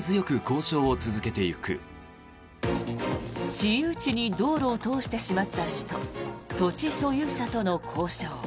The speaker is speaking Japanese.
私有地に道路を通してしまった市と土地所有者との交渉。